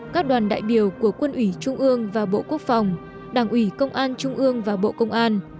các đoàn đại biểu của quân ủy trung ương và bộ quốc phòng đảng ủy công an trung ương và bộ công an